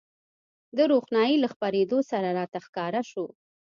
د روښنایۍ له خپرېدو سره راته ښکاره شول.